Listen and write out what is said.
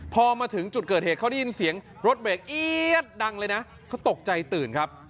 พอมาถึงจุดเกิดเหตุเขาได้ยินเสียงรถเบรกเอี๊ยดดังเลยนะเขาตกใจตื่นครับ